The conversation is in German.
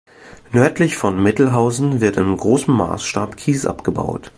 Nördlich von Mittelhausen wird in großem Maßstab Kies abgebaut.